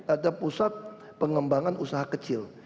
ada pusat pengembangan usaha kecil